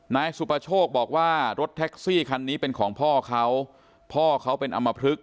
นายสุปโชคบอกว่ารถแท็กซี่คันนี้เป็นของพ่อเขาพ่อเขาเป็นอำมพลึก